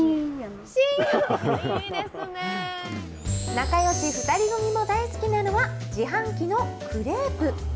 仲よし２人組も大好きなのは、自販機のクレープ。